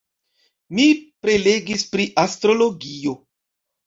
Mi prelegis pri Astrologio.